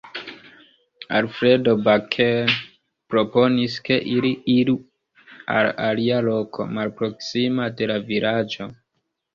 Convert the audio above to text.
Alfredo Baker proponis ke ili iru al alia loko, malproksima de la vilaĝo.